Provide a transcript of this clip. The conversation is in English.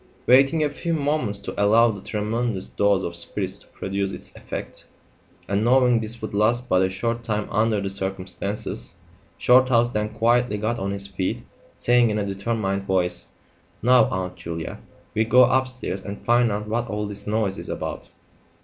Waiting a few moments to allow the tremendous dose of spirits to produce its effect, and knowing this would last but a short time under the circumstances, Shorthouse then quietly got on his feet, saying in a determined voice "Now, Aunt Julia, we'll go upstairs and find out what all this noise is about.